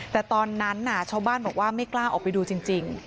แต่ตอนนั้นชาวบ้านบอกว่าไม่กล้าออกไปดูจริง